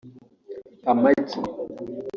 amagi